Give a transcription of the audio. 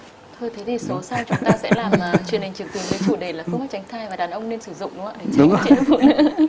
thôi thế thì số sau chúng ta sẽ làm truyền hình trường tuyển về chủ đề là phương pháp tránh thai và đàn ông nên sử dụng đúng không ạ